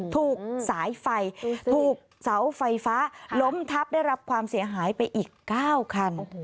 ถูกสายไฟถูกเสาไฟฟ้าล้มทับได้รับความเสียหายไปอีก๙คัน